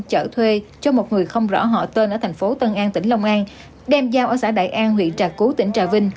chở thuê cho một người không rõ họ tên ở thành phố tân an tỉnh long an đem giao ở xã đại an huyện trà cú tỉnh trà vinh